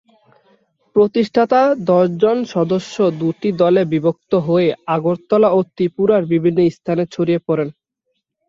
প্রতিষ্ঠাতা দশজন সদস্য দুটি দলে বিভক্ত হয়ে আগরতলা ও ত্রিপুরার বিভিন্ন স্থানে ছড়িয়ে পড়েন।